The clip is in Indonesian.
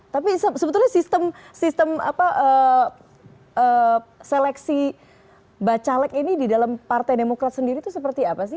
tapi sebetulnya sistem seleksi bacalek ini di dalam partai demokrat sendiri itu seperti apa sih